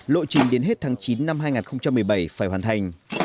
lộ trình đến hết tháng chín năm hai nghìn một mươi bảy phải hoàn thành